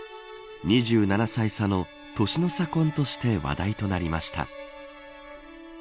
２７歳差の年の差婚として話題となりました。